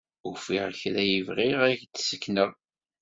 Ufiɣ kra i bɣiɣ ad k-d-ssekneɣ.